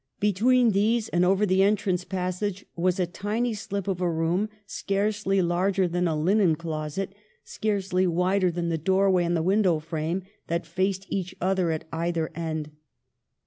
Between these and over the entrance passage was a tiny slip of a room, scarcely larger than a linen closet, scarcely wider than the doorway and the window frame that faced each other at either end.